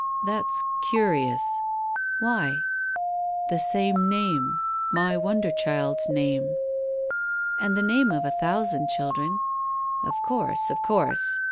"That's curious." "Why?" "The same name — my wonder child's name." "And the name of a thousand children." " Of course, of course.